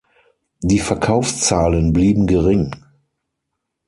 Die Verkaufszahlen blieben gering.